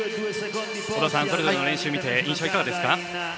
織田さん、それぞれの練習見て印象いかがですか。